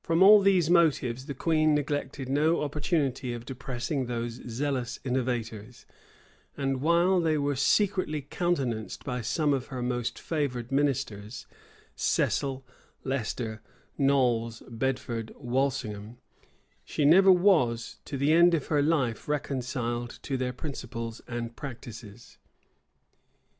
From all these motives, the queen neglected no opportunity of depressing those zealous innovators; and while they were secretly countenanced by some of her most favored ministers, Cecil, Leicester, Knolles, Bedford, Walsingham, she never was, to the end of her life, reconciled to their principles and practices.